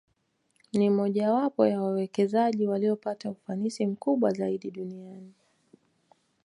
Ni mmojawapo wa wawekezaji waliopata ufanisi mkubwa zaidi duniani